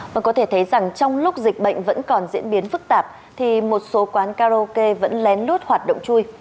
và có thể thấy rằng trong lúc dịch bệnh vẫn còn diễn biến phức tạp thì một số quán karaoke vẫn lén lút hoạt động chui